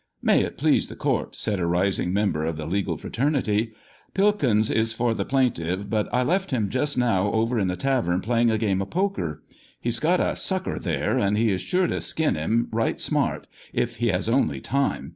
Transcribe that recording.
" May it please the court," sfcid a rising member of the legal fraternity, "Pilkins is for the plaintiff, but L left him just now over in the tavern playing a game of poker. He's got a sucker the're, and he is sure to skin him, right smart, if he has only time.